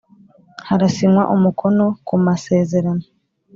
Harasinywa umukono ku masezerano .